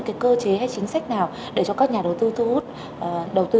cái cơ chế hay chính sách nào để cho các nhà đầu tư thu hút đầu tư